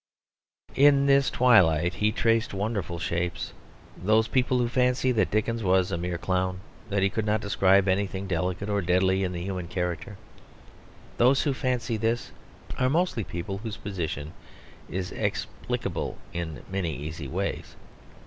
In this twilight he traced wonderful shapes. Those people who fancy that Dickens was a mere clown; that he could not describe anything delicate or deadly in the human character, those who fancy this are mostly people whose position is explicable in many easy ways.